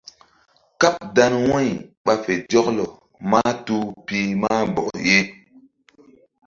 Káɓ dan wu̧y ɓa fe zɔklɔ mahtuh pih mah bɔk ye.